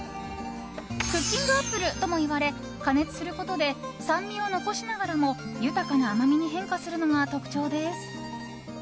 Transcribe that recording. クッキングアップルともいわれ加熱することで酸味を残しながらも豊かな甘みに変化するのが特徴です。